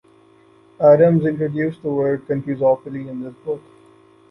Adams introduced the word "confusopoly" in this book.